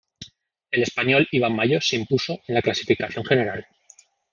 El español Iban Mayo se impuso en la clasificación general.